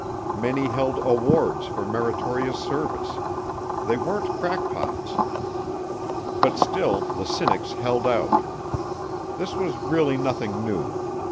Many held awards for meritorious service. They weren't crackpots. But still the cynics held out. This was really nothing new.